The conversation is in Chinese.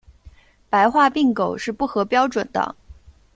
白化病狗是不合标准的。